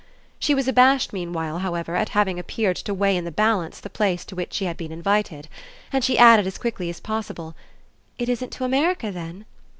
She was abashed meanwhile, however, at having appeared to weigh in the balance the place to which she had been invited; and she added as quickly as possible: "It isn't to America then?"